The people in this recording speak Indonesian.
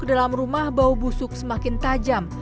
bg mengaku bau menyengat berasal dari selokan